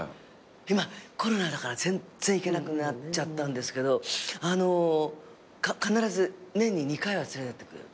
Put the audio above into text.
今コロナだから全然行けなくなっちゃったけどあの必ず年に２回は連れてってくれる。